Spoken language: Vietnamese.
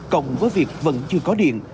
cộng với việc vẫn chưa có điện